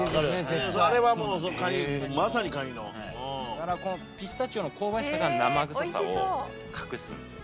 だからこのピスタチオの香ばしさが生臭さを隠すんですよ。